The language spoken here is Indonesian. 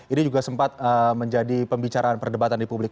ini juga sempat menjadi pembicaraan perdebatan di publik